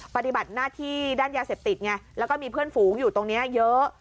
ปฏิบัติหน้าที่ด้านยาเสพติดไงแล้วก็มีเพื่อนฝูงอยู่ตรงนี้เยอะ